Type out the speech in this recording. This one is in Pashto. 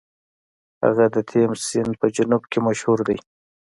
هغه د تیمس سیند په جنوب کې مشهور دی.